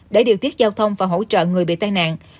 để điều tiết giao thông và hỗ trợ người bị tai nạn